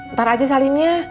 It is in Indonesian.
ntar aja salimnya